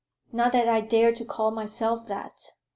"Not that I dare to call myself that.